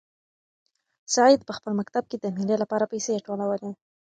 سعید په خپل مکتب کې د مېلې لپاره پیسې ټولولې.